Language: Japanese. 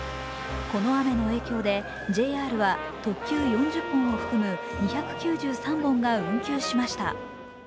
この雨の影響でＪＲは特急４０本を含む２９３本が運休しました。